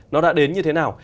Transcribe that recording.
nó đã đến như thế nào